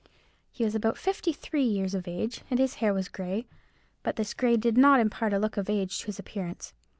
He was about fifty three years of age, and his hair was grey, but this grey hair did not impart a look of age to his appearance.